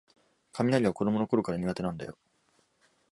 雷は子どものころから苦手なんだよ